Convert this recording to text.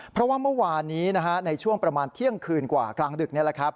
เพราะว่าเมื่อวานนี้ในช่วงประมาณเที่ยงคืนกว่ากลางดึกนี้